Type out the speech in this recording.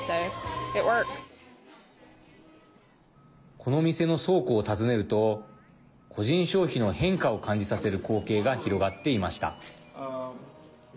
この店の倉庫を訪ねると個人消費の変化を感じさせる光景が広がっていました。